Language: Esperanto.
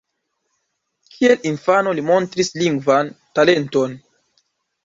Kiel infano li montris lingvan talenton.